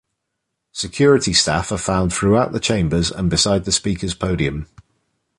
Security staff are found throughout the chambers and beside the Speaker's podium.